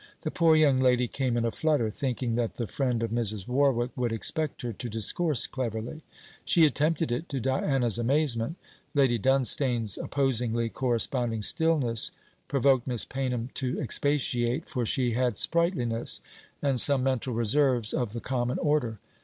The poor young lady came in a flutter, thinking that the friend of Mrs. Warwick would expect her to discourse cleverly. She attempted it, to Diana's amazement. Lady Dunstane's opposingly corresponding stillness provoked Miss Paynham to expatiate, for she had sprightliness and some mental reserves of the common order.